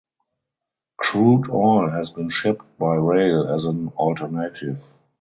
Crude oil has been shipped by rail as an alternative.